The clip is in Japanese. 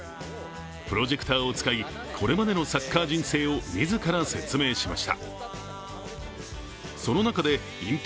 プロジェクターを使い、これまでのサッカー人生を自ら説明しました。